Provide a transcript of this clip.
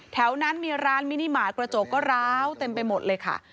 แถวนั้นมีร้านมินิมาตรกระจกก็ร้าวเต็มไปหมดเลยค่ะ